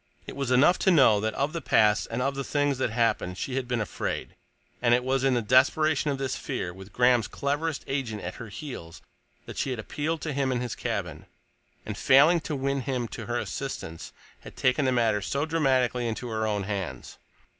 It was enough to know that of the past, and of the things that happened, she had been afraid, and it was in the desperation of this fear, with Graham's cleverest agent at her heels, that she had appealed to him in his cabin, and, failing to win him to her assistance, had taken the matter so dramatically into her own hands.